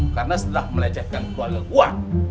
karena sudah melecehkan keluarga gue